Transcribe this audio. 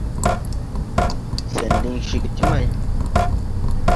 Sɛn diŋ ceege ti may !